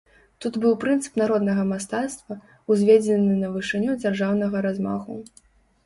Тут быў прынцып народнага мастацтва, узведзены на вышыню дзяржаўнага размаху.